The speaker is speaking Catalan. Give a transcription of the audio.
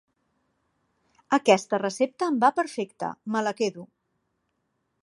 Aquesta recepta em va perfecte; me la quedo.